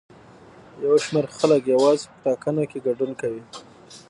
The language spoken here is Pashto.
یو شمېر خلک یوازې په ټاکنو کې ګډون کوي.